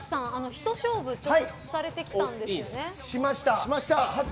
ひと勝負されてきたんですよね？